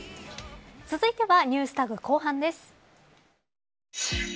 続いてはＮｅｗｓＴａｇ後半です。